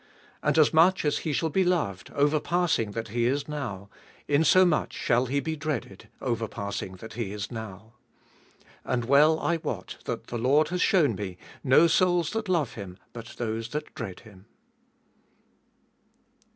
And as much as He shall be loved, overpassing that He is now, insomuch shall He be dreaded overpassing that He is now. And well I wot that the Lord has shown me no souls that love Him but those that dread Him.